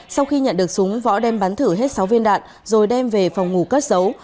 sau khi nhận được súng võ đem bắn thử hết sáu viên đạn rồi đem về phòng ngủ cất giấu